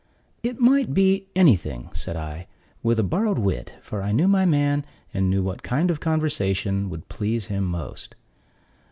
"It might be anything," said I, with a borrowed wit, for I knew my man and knew what kind of conversation would please him most.